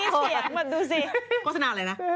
มีเสียงเหมือนดูสิโฆษณาอะไรนะ